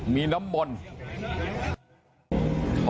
มีน้ำมนต์